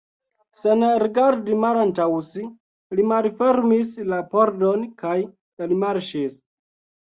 Sen rigardi malantaŭ si, li malfermis la pordon kaj elmarŝis.